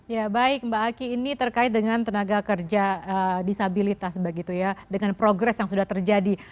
ya baik mbak aki ini terkait dengan tenaga kerja disabilitas begitu ya dengan progres yang sudah terjadi